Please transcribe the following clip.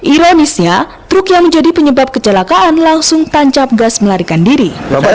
ironisnya truk yang menjadi penyebab kecelakaan langsung tancap gas melarikan diri